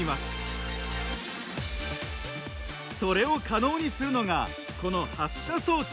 それを可能にするのがこの発射装置。